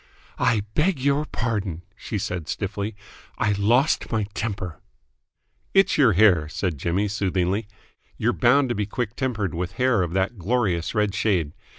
"I beg your pardon," she said stiffly. "I lost my temper." "It's your hair," said Jimmy soothingly. "You're bound to be quick tempered with hair of that glorious red shade.